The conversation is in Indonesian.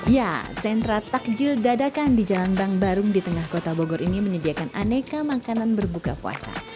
ya sentra takjil dadakan di jalan bang barung di tengah kota bogor ini menyediakan aneka makanan berbuka puasa